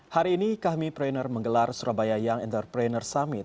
hari ini kami prener menggelar surabaya young entrepreneur summit